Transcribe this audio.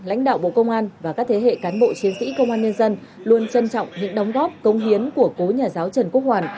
lãnh đạo bộ công an và các thế hệ cán bộ chiến sĩ công an nhân dân luôn trân trọng những đóng góp công hiến của cố nhà giáo trần quốc hoàn